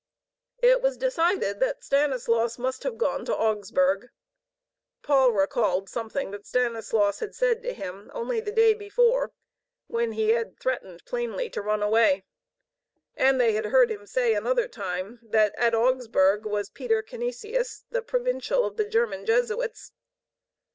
It was decided that Stanislaus must have gone to Augsburg. Paul recalled something that Stanislaus had said to him only the day before, when he had threatened plainly to run away. And they had heard him say, another time, that at Augsburg was Peter Canisius, the Provincial of the German Jesuits.